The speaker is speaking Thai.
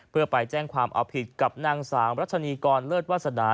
เพื่อไปแจ้งความเอาผิดกับนางสาวรัชนีกรเลิศวาสนา